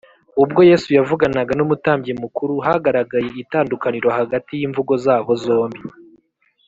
ubwo yesu yavuganaga n’umutambyi mukuru, hagaragaye itandukaniro hagati y’imvugo zabo bombi